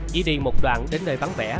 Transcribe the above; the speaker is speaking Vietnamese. chỉ đi một đoạn đến nơi vắng vẻ